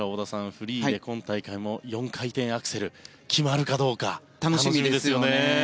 フリーで今大会も４回転アクセル決まるかどうか楽しみですよね。